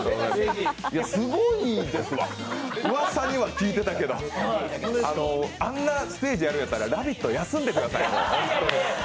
すごいいいですわ、うわさには聞いていたけどあんなステージやるんやから「ラヴィット！」休んでください。